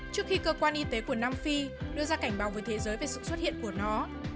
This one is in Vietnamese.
trước khi cơ quan y tế của nam phi đưa ra cảnh báo với thế giới về sự xuất hiện của nó